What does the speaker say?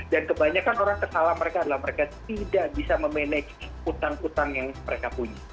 kebanyakan orang tersalah mereka adalah mereka tidak bisa memanage utang utang yang mereka punya